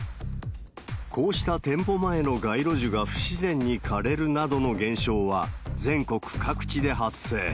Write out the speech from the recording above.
こうした店舗前の街路樹が不自然に枯れるなどの現象は、全国各地で発生。